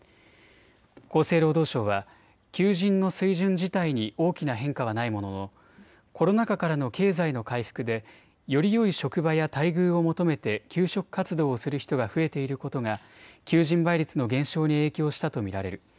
厚生労働省は求人の水準自体に大きな変化はないもののコロナ禍からの経済の回復でよりよい職場や待遇を求めて求職活動をする人が増えていることが求人倍率の減少に影響したと見られる。